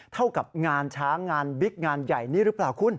เท่ากับงานช้างงานบิ๊กงานใหญ่นี้หรือเปล่าคุณ